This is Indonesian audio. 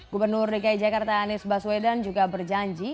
gubernur dki jakarta anies baswedan juga berjanji